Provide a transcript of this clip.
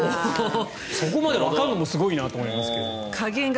そこまでわかるのもすごいなと思いますが。